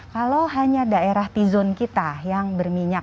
kalau hanya daerah t zone kita yang berminyak